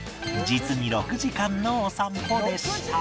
実に６時間のお散歩でした